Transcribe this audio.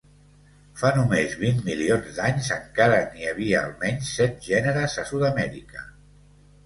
Fa només vint milions d'anys encara n'hi havia almenys set gèneres a Sud-amèrica.